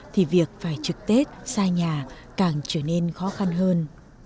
thì việc phải trực tết xa nhà càng trở nên khó khăn hơn